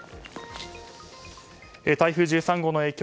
台風１３号の影響